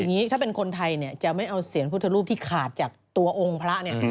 อย่างนี้ถ้าเป็นคนไทยเนี่ยจะไม่เอาเสียงพุทธรูปที่ขาดจากตัวองค์พระเนี่ย